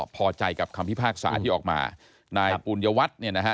พอใจกับคำพิพากษาที่ออกมานายปุญญวัฒน์เนี่ยนะฮะ